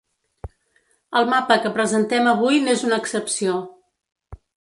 El mapa que presentem avui n’és una excepció.